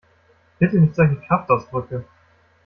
Bitte nicht solche Kraftausdrücke!